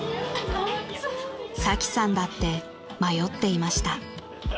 ［サキさんだって迷っていました］